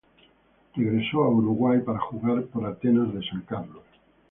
Regresó a Uruguay para jugar por Atenas de San Carlos.